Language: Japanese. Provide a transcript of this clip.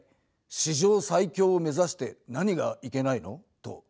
「史上最強を目指して何がいけないの？」と。